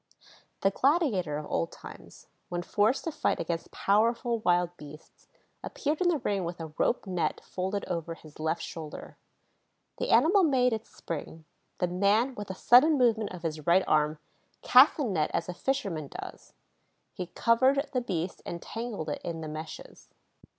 The gladiator of old times, when forced to fight against powerful wild beasts, appeared in the ring with a rope net folded over his left shoulder. The animal made its spring. The man, with a sudden movement of his right arm, cast the net as a fisherman does; he covered the beast and tangled it in the meshes.